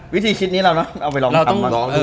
วิธีคิดนี้เราเนอะเอาไปลองทำมัน